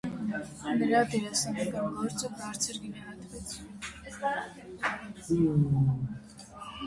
Նրա դերասանական գործը բարձր գնահատվեց։